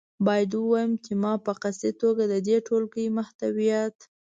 باید ووایم چې ما په قصدي توګه د دې ټولګې محتویات.